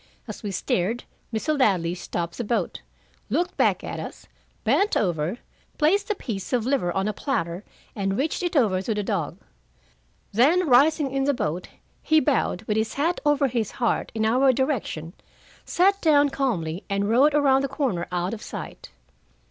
As we stared, Mr. Ladley stopped the boat, looked back at us, bent over, placed a piece of liver on a platter, and reached it over to the dog. Then, rising in the boat, he bowed, with his hat over his heart, in our direction, sat down calmly, and rowed around the corner out of sight. Mr.